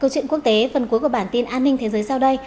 câu chuyện quốc tế phần cuối của bản tin an ninh thế giới sau đây